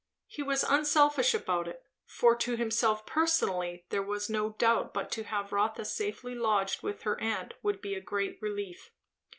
He was unselfish about it; for to himself personally there was no doubt but to have Rotha safely lodged with her aunt would be a great relief.